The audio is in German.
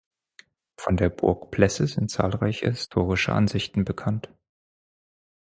Von der Burg Plesse sind zahlreiche historische Ansichten bekannt.